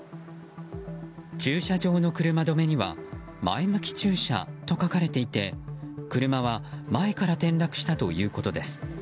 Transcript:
駐車場の車止めには前向き駐車と書かれていて車は前から転落したということです。